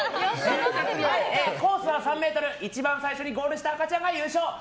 コースは３ｍ一番最初にゴールした赤ちゃんが優勝です。